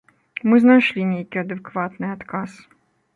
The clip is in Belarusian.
Мы знайшлі нейкі адэкватны адказ.